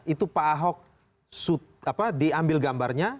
itu pak ahok diambil gambarnya